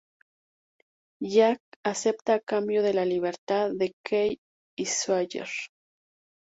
Jack acepta a cambio de la libertad de Kate y Sawyer.